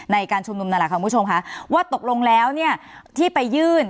ในการชุมนุมนาหลักค่ะว่าตกลงแล้วที่ไปยื่น